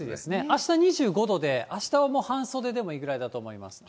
あした２５度で、あしたはもう半袖でもいいぐらいだと思います。